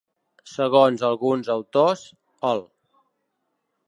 Segons alguns autors, el.